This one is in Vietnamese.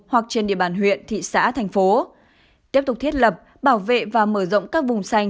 hoặc trên địa bàn huyện thị xã thành phố tiếp tục thiết lập bảo vệ và mở rộng các vùng xanh